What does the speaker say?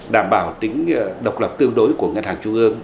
đảm bảo tính độc lập tương đối của ngân hàng trung ương